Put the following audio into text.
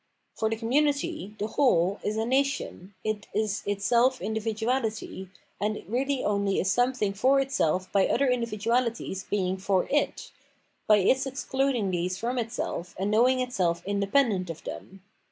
For the coromunity, the whole, is a nation, it is itself individuality, and really only is something for itself by other individualities being for it, by its excluding these from itself and knowing itself independent of them.